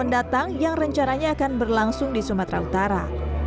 yang datang yang rencananya akan berlangsung di sumatera utara